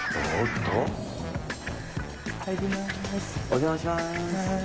お邪魔します。